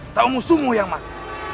atau musuhmu yang mati